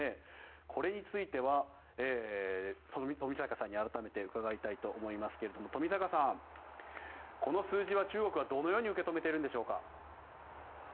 これについては冨坂さんに改めて伺いたいと思いますが冨坂さん、この数字は中国はどのように受け止めているんでしょうか。